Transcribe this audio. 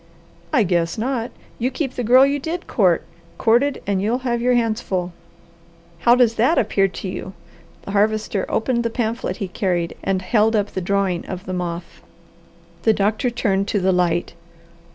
"I guess not! You keep the girl you did court, courted, and you'll have your hands full. How does that appear to you?" The Harvester opened the pamphlet he carried and held up the drawing of the moth. The doctor turned to the light.